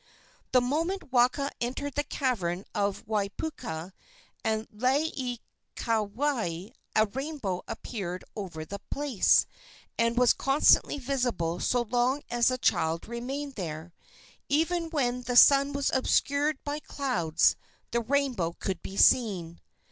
The moment Waka entered the cavern of Waiapuka with Laieikawai a rainbow appeared over the place, and was constantly visible so long as the child remained there. Even when the sun was obscured by clouds the rainbow could be seen.